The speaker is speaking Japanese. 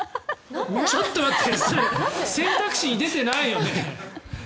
ちょっと待ってそれ選択肢に出てないよね？